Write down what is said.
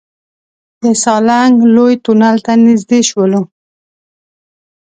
د سالنګ لوی تونل ته نزدې شولو.